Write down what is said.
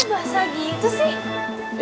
bahasa gitu sih